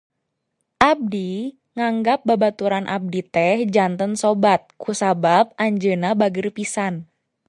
Abdi nganggap babaturan abdi teh janten sobat kusabab anjeunna bageur pisan.